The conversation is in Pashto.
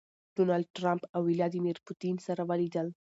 ډونالډ ټرمپ او ويلاديمير پوتين سره وليدل.